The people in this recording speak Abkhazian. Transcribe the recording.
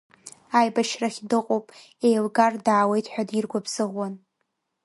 Аибашьрахь дыҟоуп, еилгар даауеит ҳәа диргәабзыӷуан.